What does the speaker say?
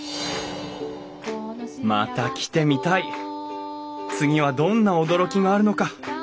また来てみたい次はどんな驚きがあるのか。